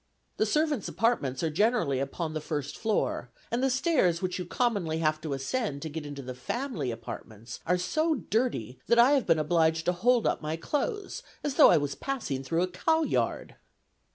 The servants' apartments are generally upon the first floor, and the stairs which you commonly have to ascend to get into the family apartments are so dirty, that I have been obliged to hold up my clothes, as though I was passing through a cow yard."